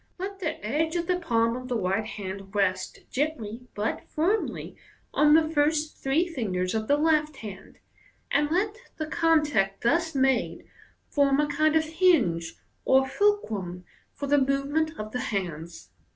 Let the edge of the palm of the right hand rest gently, but firmly, on the first three fingers of the left hand, and let the contact thus made form a kind of hinge or fulcrum for the move ment of the hands.